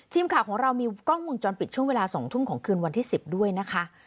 ทีมข่าวของเรามีกล้องวงจรปิดช่วงเวลา๒ทุ่มของคืนวันที่๑๐ด้วยนะคะ